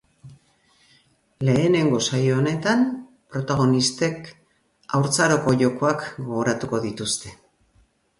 Lehenengo saio honetan, protagonisten haurtzaroko jokoak gogoratuko dituzte.